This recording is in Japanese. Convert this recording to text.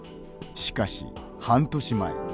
しかし、半年前。